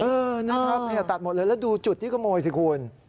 เออนะครับตัดหมดเลยแล้วดูจุดที่ขโมยสิคุณ